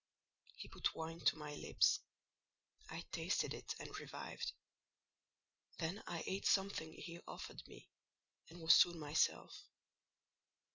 He put wine to my lips; I tasted it and revived; then I ate something he offered me, and was soon myself.